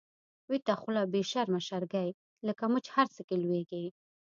ويته خوله بی شرمه شرګی، لکه مچ هر څه کی لويږی